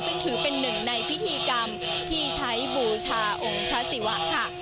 ซึ่งถือเป็นหนึ่งในพิธีกรรมที่ใช้บูชาองค์พระศิวะค่ะ